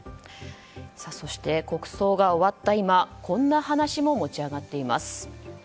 そして国葬が終わった今こんな話も持ち上がっています。